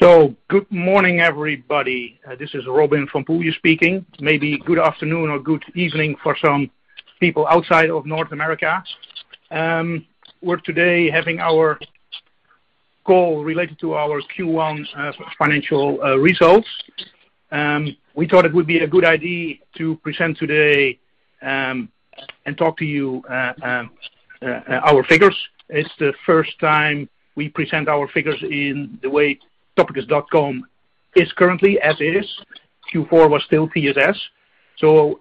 Good morning, everybody. This is Robin van Poelje speaking. Maybe good afternoon or good evening for some people outside of North America. We're today having our call related to our Q1 financial results. We thought it would be a good idea to present today and talk to you our figures. It's the first time we present our figures in the way Topicus.com is currently, as is. Q4 was still TSS, so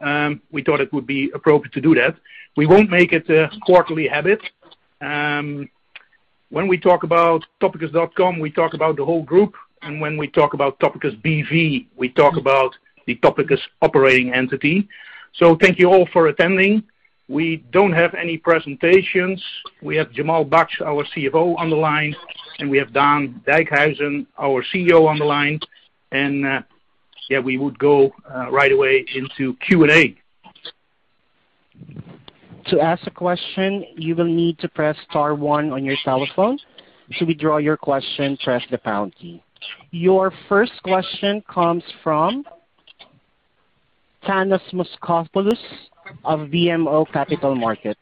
we thought it would be appropriate to do that. We won't make it a quarterly habit. When we talk about Topicus.com, we talk about the whole group, and when we talk about Topicus.com B.V., we talk about the Topicus.com operating entity. Thank you all for attending. We don't have any presentations. We have Jamal Baksh, our CFO, on the line, and we have Daan Dijkhuizen, our CEO, on the line. Yeah, we would go right away into Q&A. Your first question comes from Thanos Moschopoulos of BMO Capital Markets.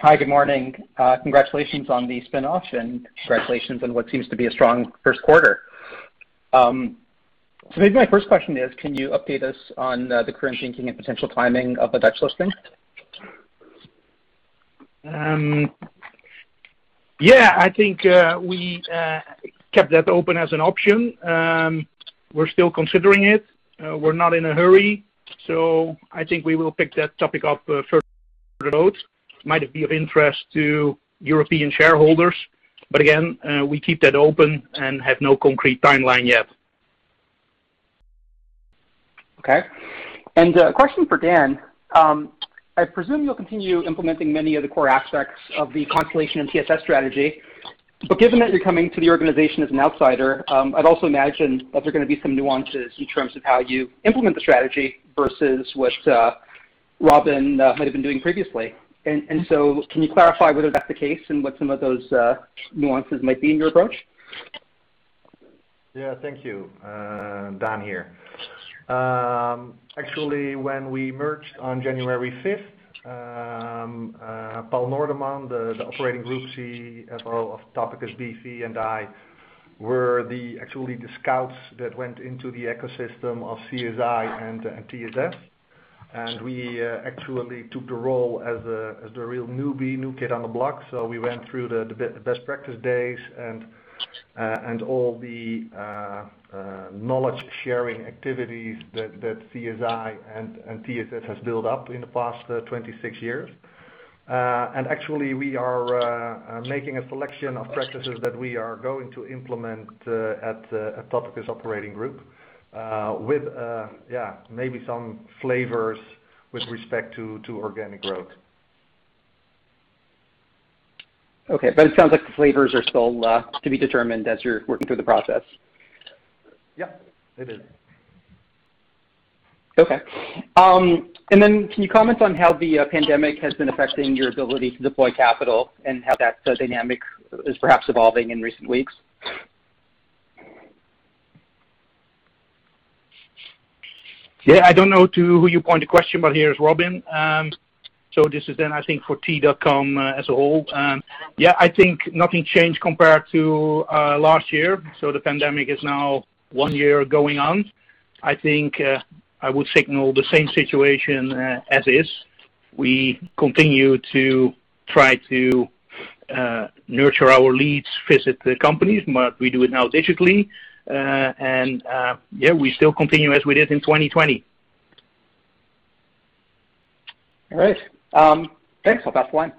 Hi, good morning. Congratulations on the spinoff and congratulations on what seems to be a strong first quarter. Maybe my first question is, can you update us on the current thinking and potential timing of the Dutch listing? Yeah, I think we kept that open as an option. We're still considering it. We're not in a hurry. I think we will pick that topic up further on the road. Might be of interest to European shareholders. Again, we keep that open and have no concrete timeline yet. Okay. A question for Daan. I presume you'll continue implementing many of the core aspects of the Constellation and TSS strategy. Given that you're coming to the organization as an outsider, I'd also imagine that there are going to be some nuances in terms of how you implement the strategy versus what Robin might have been doing previously. Can you clarify whether that's the case and what some of those nuances might be in your approach? Thank you. Daan here. Actually, when we merged on January 5th, Paul Noordeman, the operating group CFO of Topicus.com B.V. and I were actually the scouts that went into the ecosystem of CSI and TSS. We actually took the role as the real newbie, new kid on the block. We went through the best practice days and all the knowledge-sharing activities that CSI and TSS has built up in the past 26 years. Actually, we are making a selection of practices that we are going to implement at Topicus operating group with maybe some flavors with respect to organic growth. Okay, it sounds like the flavors are still to be determined as you're working through the process. Yeah. They did. Okay. Can you comment on how the pandemic has been affecting your ability to deploy capital and how that dynamic is perhaps evolving in recent weeks? Yeah, I don't know to who you point the question, but here's Robin. This is then, I think, for Topicus.com as a whole. Yeah, I think nothing changed compared to last year. The pandemic is now one year going on. I think I would signal the same situation as is. We continue to try to nurture our leads, visit the companies, but we do it now digitally. Yeah, we still continue as we did in 2020. All right. Thanks. I'll pass the line.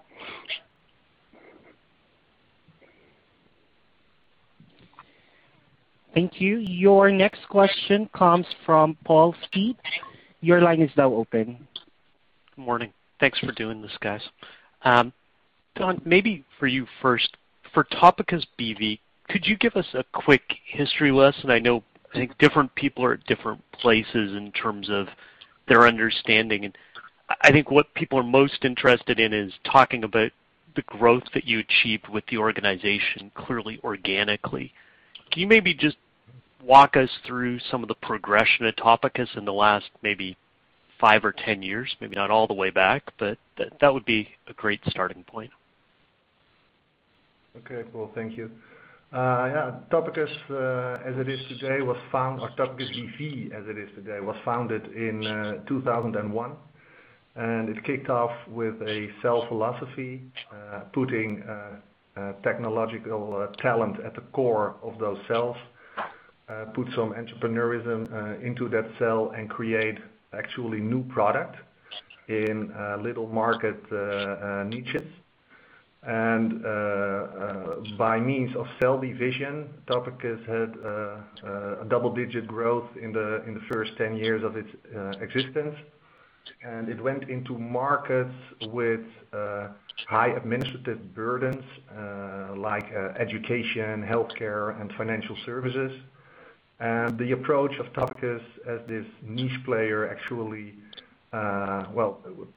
Thank you. Your next question comes from Paul Steep. Your line is now open. Good morning. Thanks for doing this, guys. Daan, maybe for you first, for Topicus.com B.V., could you give us a quick history lesson? I know, I think different people are at different places in terms of their understanding. I think what people are most interested in is talking about the growth that you achieved with the organization clearly organically. Can you maybe just walk us through some of the progression at Topicus in the last maybe five or 10 years? Maybe not all the way back, but that would be a great starting point. Okay, Paul, thank you. Topicus.com B.V. as it is today, was founded in 2001. It kicked off with a cell philosophy, putting technological talent at the core of those cells, put some entrepreneurism into that cell and create actually new product in little market niches. By means of cell division, Topicus had a double-digit growth in the first 10 years of its existence. It went into markets with high administrative burdens like education, healthcare, and financial services. The approach of Topicus as this niche player actually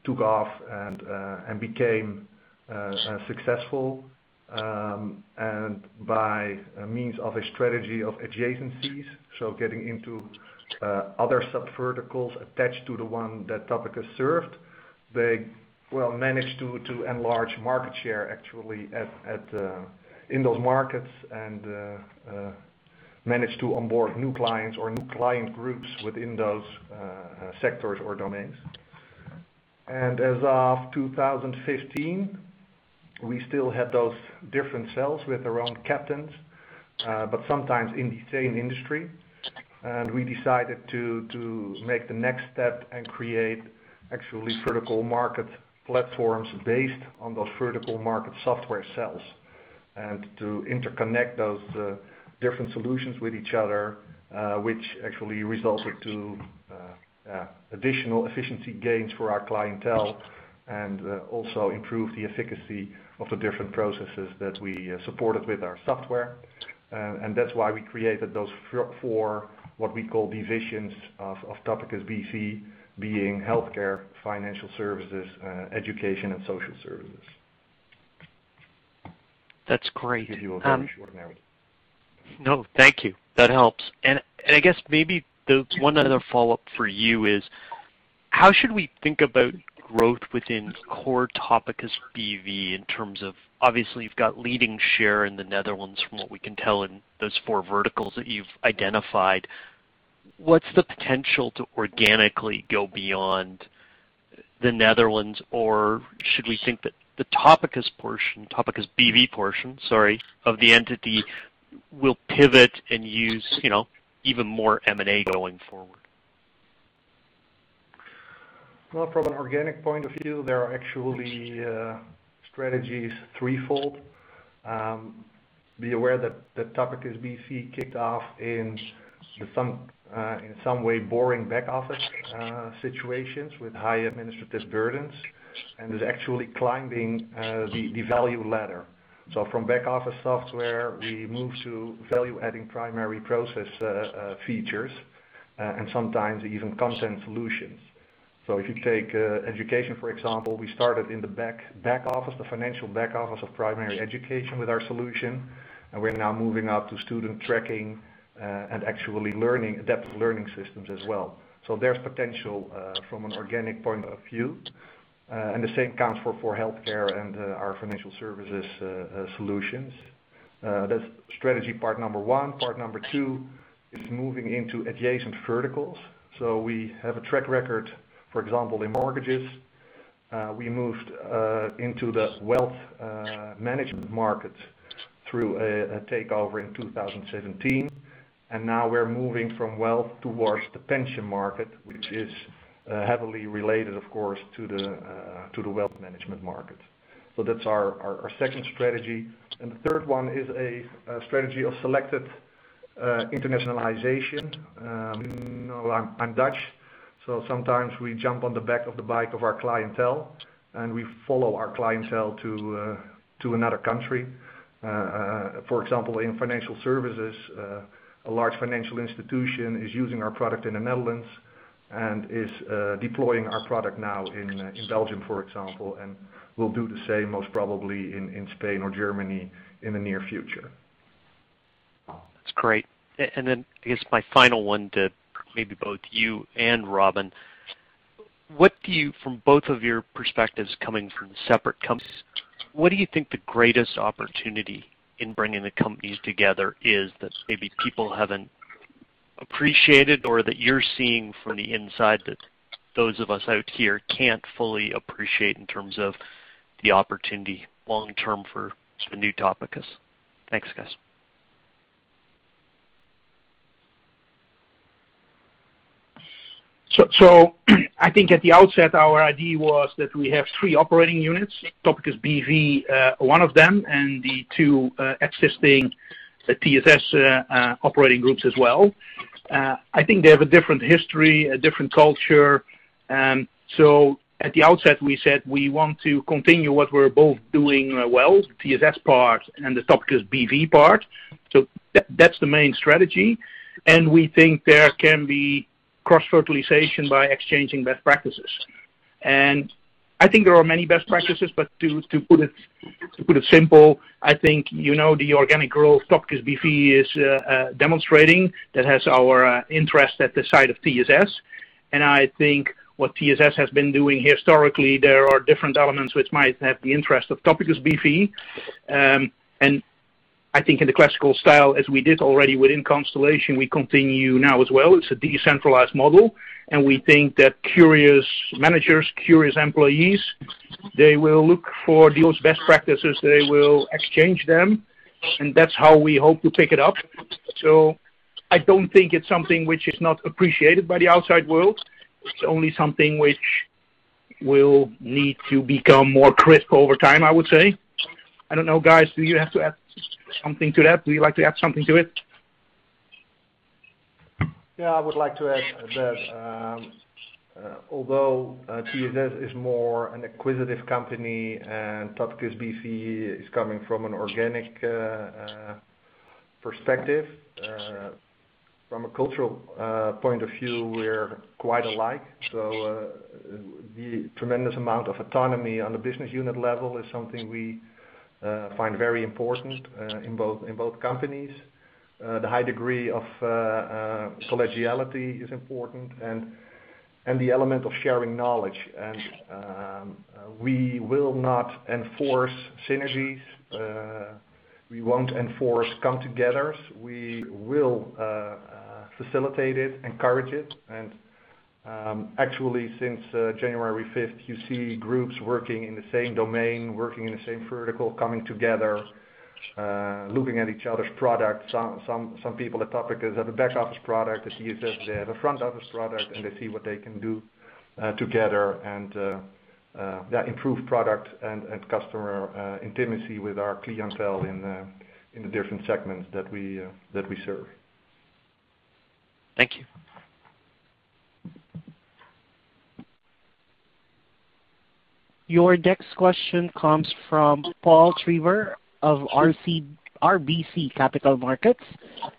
took off and became successful by means of a strategy of adjacencies, getting into other sub-verticals attached to the one that Topicus served. They managed to enlarge market share actually in those markets and managed to onboard new clients or new client groups within those sectors or domains. As of 2015, we still had those different cells with their own captains, but sometimes in the same industry. We decided to make the next step and create actually vertical market platforms based on those vertical market software cells and to interconnect those different solutions with each other, which actually resulted to additional efficiency gains for our clientele and also improved the efficacy of the different processes that we supported with our software. That's why we created those four, what we call divisions of Topicus.com B.V., being healthcare, financial services, education, and social services. That's great. Give you a very short narrative. No, thank you. That helps. I guess maybe the one other follow-up for you is, how should we think about growth within core Topicus.com B.V. in terms of, obviously, you've got leading share in the Netherlands from what we can tell in those four verticals that you've identified. What's the potential to organically go beyond the Netherlands? Should we think that the Topicus.com B.V. portion of the entity will pivot and use even more M&A going forward? Well, from an organic point of view, there are actually strategies threefold. Be aware that Topicus.com B.V. kicked off in some way boring back office situations with high administrative burdens and is actually climbing the value ladder. From back office software, we move to value-adding primary process features, and sometimes even content solutions. If you take education, for example, we started in the financial back office of primary education with our solution, and we're now moving up to student tracking, and actually adaptive learning systems as well. There's potential, from an organic point of view. The same counts for healthcare and our financial services solutions. That's strategy part number one. Part number two is moving into adjacent verticals. We have a track record, for example, in mortgages. We moved into the wealth management market through a takeover in 2017. Now we're moving from wealth towards the pension market, which is heavily related, of course, to the wealth management market. That's our second strategy. The third one is a strategy of selected internationalization. I'm Dutch. Sometimes we jump on the back of the bike of our clientele, and we follow our clientele to another country. For example, in financial services, a large financial institution is using our product in the Netherlands and is deploying our product now in Belgium, for example, and will do the same most probably in Spain or Germany in the near future. That's great. I guess my final one to maybe both you and Robin, from both of your perspectives coming from separate companies, what do you think the greatest opportunity in bringing the companies together is that maybe people haven't appreciated or that you're seeing from the inside that those of us out here can't fully appreciate in terms of the opportunity long-term for the new Topicus? Thanks, guys. I think at the outset, our idea was that we have three operating units, Topicus.com B.V. one of them, and the two existing TSS operating groups as well. I think they have a different history, a different culture. At the outset, we said we want to continue what we're both doing well, TSS part and the Topicus.com B.V. part. That's the main strategy. We think there can be cross-fertilization by exchanging best practices. I think there are many best practices, but to put it simple, I think, you know, the organic growth Topicus.com B.V. is demonstrating that has our interest at the side of TSS. I think what TSS has been doing historically, there are different elements which might have the interest of Topicus.com B.V. I think in the classical style, as we did already within Constellation, we continue now as well. It's a decentralized model. We think that curious managers, curious employees, they will look for those best practices, they will exchange them. That's how we hope to pick it up. I don't think it's something which is not appreciated by the outside world. It's only something which will need to become more crisp over time, I would say. I don't know, guys, do you have to add something to that? Would you like to add something to it? Yeah, I would like to add that although TSS is more an acquisitive company and Topicus B.V. is coming from an organic perspective, from a cultural point of view, we're quite alike. The tremendous amount of autonomy on the business unit level is something we find very important in both companies. The high degree of collegiality is important and the element of sharing knowledge. We will not enforce synergies. We won't enforce come togethers. We will facilitate it, encourage it. Actually, since January 5th, you see groups working in the same domain, working in the same vertical, coming together, looking at each other's products. Some people at Topicus have a back-office product. At TSS, they have a front-office product, and they see what they can do together and improve product and customer intimacy with our clientele in the different segments that we serve. Thank you. Your next question comes from Paul Treiber of RBC Capital Markets.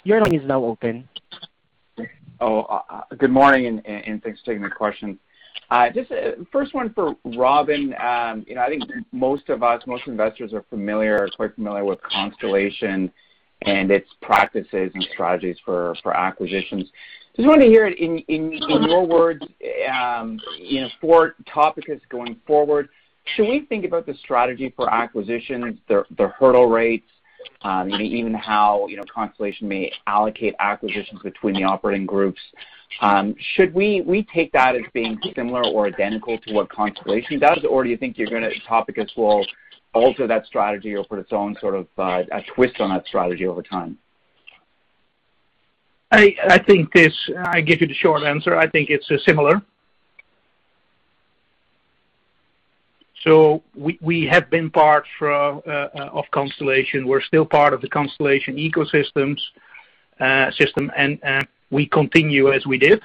Your line is now open. Good morning, thanks for taking my question. Just first one for Robin. I think most of us, most investors are quite familiar with Constellation and its practices and strategies for acquisitions. Just wanted to hear it in your words, for Topicus going forward, should we think about the strategy for acquisitions, their hurdle rates, even how Constellation may allocate acquisitions between the operating groups? Should we take that as being similar or identical to what Constellation does? Do you think Topicus will alter that strategy or put its own sort of twist on that strategy over time? I give you the short answer. I think it's similar. We have been part of Constellation. We're still part of the Constellation ecosystems system, and we continue as we did,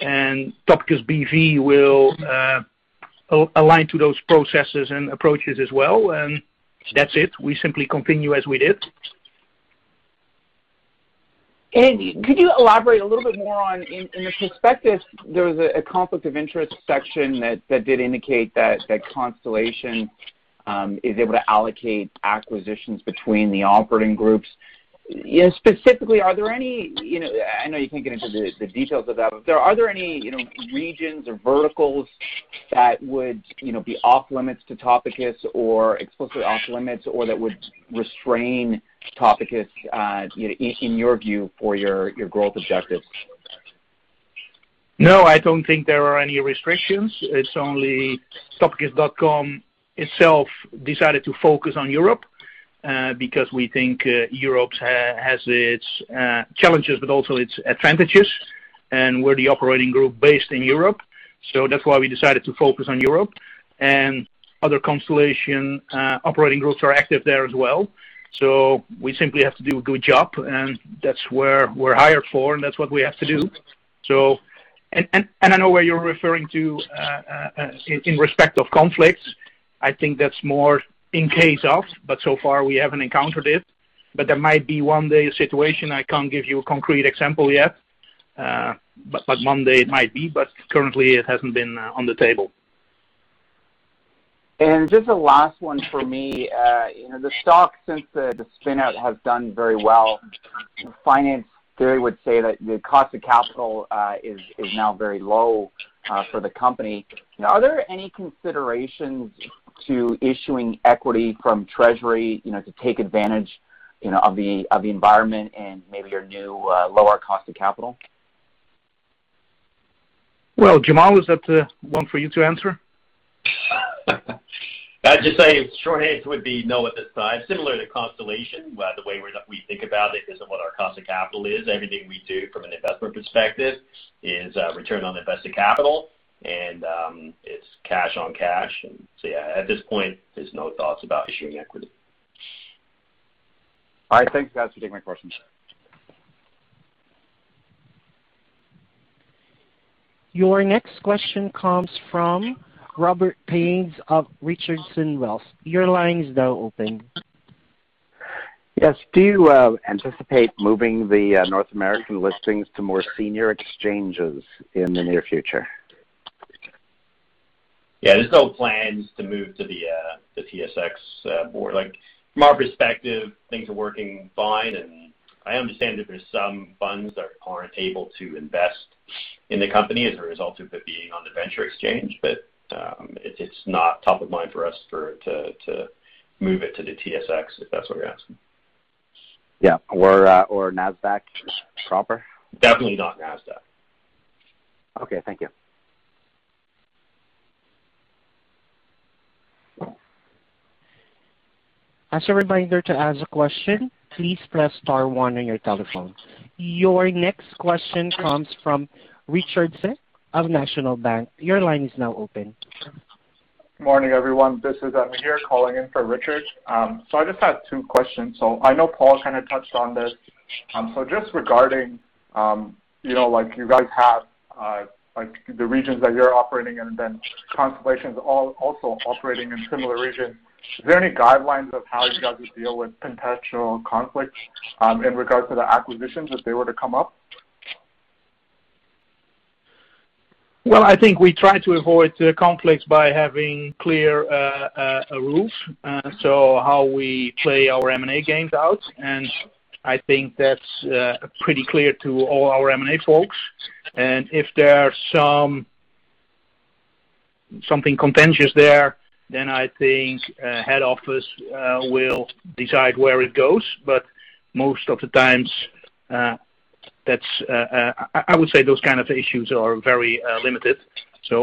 and Topicus.com B.V. will align to those processes and approaches as well. That's it. We simply continue as we did. Could you elaborate a little bit more on, in the prospectus, there was a conflict of interest section that did indicate that Constellation is able to allocate acquisitions between the operating groups. Specifically, are there any, I know you can't get into the details of that, but are there any regions or verticals that would be off limits to Topicus or explicitly off limits or that would restrain Topicus, in your view, for your growth objectives? No, I don't think there are any restrictions. It's only Topicus.com itself decided to focus on Europe because we think Europe has its challenges, but also its advantages, and we're the operating group based in Europe, that's why we decided to focus on Europe. Other Constellation operating groups are active there as well. We simply have to do a good job, and that's what we're hired for, and that's what we have to do. I know where you're referring to in respect of conflicts. I think that's more. So far we haven't encountered it, there might be one day a situation. I can't give you a concrete example yet. One day it might be, currently it hasn't been on the table. Just the last one for me. The stock since the spin out has done very well. Finance theory would say that the cost of capital is now very low for the company. Are there any considerations to issuing equity from Treasury to take advantage of the environment and maybe your new lower cost of capital? Well, Jamal, is that one for you to answer? I'd just say shorthand would be no at this time. Similar to Constellation, the way we think about it is what our cost of capital is. Everything we do from an investment perspective is return on invested capital, and it's cash on cash. Yeah, at this point, there's no thoughts about issuing equity. All right. Thank you guys for taking my questions. Your next question comes from Robert Rains of Richardson Wealth. Your line is now open. Yes. Do you anticipate moving the North American listings to more senior exchanges in the near future? Yeah. There's no plans to move to the TSX board. From our perspective, things are working fine, and I understand that there's some funds that aren't able to invest in the company as a result of it being on the venture exchange. It's not top of mind for us to move it to the TSX, if that's what you're asking. Yeah. NASDAQ proper. Definitely not NASDAQ. Okay. Thank you. As a reminder to ask a question, please press star one on your telephone. Your next question comes from Richard Tse of National Bank. Your line is now open. Morning, everyone. This is Amir calling in for Richard. I just had two questions. I know Paul kind of touched on this. Just regarding, you guys have the regions that you're operating in, and then Constellation's also operating in similar regions. Is there any guidelines of how you guys would deal with potential conflicts in regard to the acquisitions if they were to come up? I think we try to avoid conflicts by having clear rules, so how we play our M&A games out, and I think that's pretty clear to all our M&A folks. If there are something contentious there, then I think head office will decide where it goes. Most of the times, I would say those kind of issues are very limited.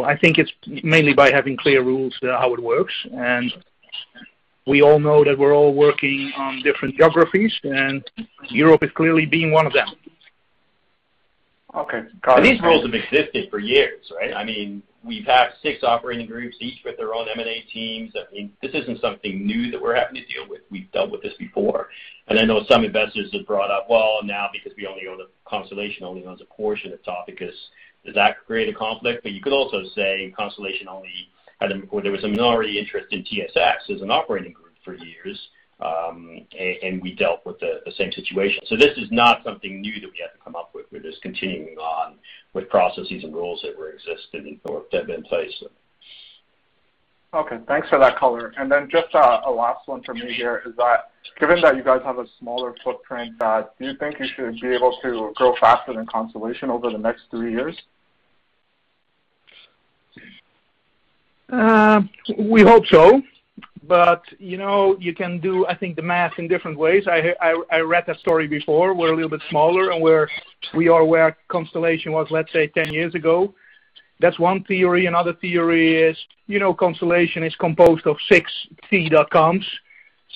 I think it's mainly by having clear rules how it works, and we all know that we're all working on different geographies, and Europe is clearly being one of them. Okay. Got it. These rules have existed for years, right? We've had six operating groups, each with their own M&A teams. This isn't something new that we're having to deal with. We've dealt with this before. I know some investors have brought up, "Well, now because Constellation only owns a portion of Topicus, does that create a conflict?" You could also say Constellation only had, well, there was a minority interest in TSX as an operating group for years, and we dealt with the same situation. This is not something new that we had to come up with. We're just continuing on with processes and rules that were existing or that have been placed. Okay, thanks for that color. Just a last one from me here is that, given that you guys have a smaller footprint, do you think you should be able to grow faster than Constellation over the next three years? We hope so. You can do, I think, the math in different ways. I read that story before. We're a little bit smaller, and we are where Constellation was, let's say, 10 years ago. That's one theory. Another theory is Constellation is composed of six T.coms,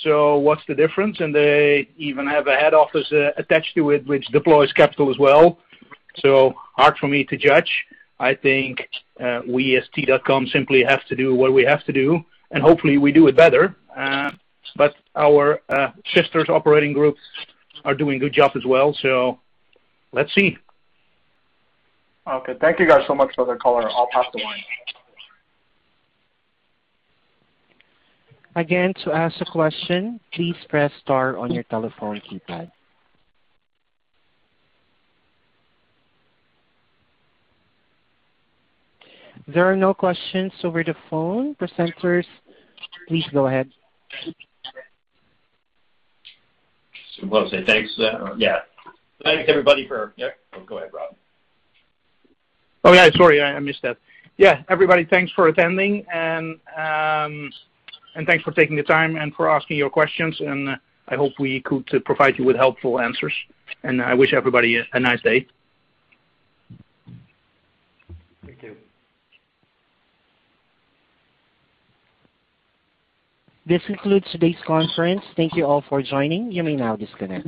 so what's the difference? They even have a head office attached to it, which deploys capital as well. Hard for me to judge. I think we as Topicus.com simply have to do what we have to do, and hopefully, we do it better. Our sister's operating groups are doing a good job as well, so let's see. Okay. Thank you guys so much for the color. I'll pass the line. Again, to ask a question, please press star on your telephone keypad. There are no questions over the phone. Presenters, please go ahead. I was about to say thanks. Yeah. Thanks, everybody. Yeah. Oh, go ahead, Robin. Oh, yeah, sorry, I missed that. Yeah, everybody, thanks for attending, and thanks for taking the time and for asking your questions, and I hope we could provide you with helpful answers, and I wish everybody a nice day. Thank you. This concludes today's conference. Thank you all for joining. You may now disconnect.